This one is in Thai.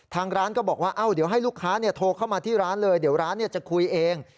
ทางร้านก็บอกว่าเดี๋ยวให้ลูกค้าโทรเข้ามาที่ร้านเลยเดี๋ยวร้านจะคุยเอง